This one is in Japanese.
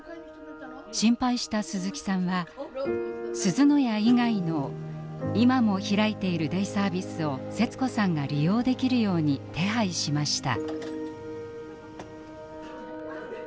心配した鈴木さんはすずの家以外の今も開いているデイサービスをセツ子さんが利用できるように手配しました。